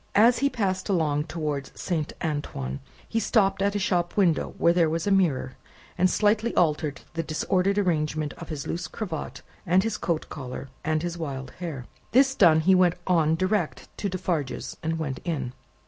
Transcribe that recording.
As he passed along towards Saint Antoine, he stopped at a shop window where there was a mirror, and slightly altered the disordered arrangement of his loose cravat, and his coat collar, and his wild hair. This done, he went on direct to Defarge's, and went in.